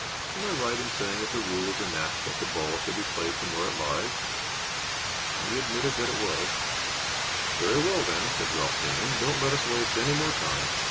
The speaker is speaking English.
Am I right in saying that the rules enact that the ball shall be played from where it lies?" We admitted that it was. "Very well, then," said Ralph Bingham. "Don't let us waste any more time.